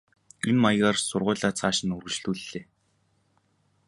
Энэ маягаар сургуулиа цааш нь үргэлжлүүллээ.